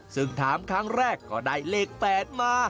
ซึ่งถามครั้งแรกก็ได้เลข๘มา